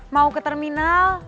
mau ke terminal